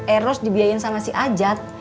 eros dibiayain sama si ajat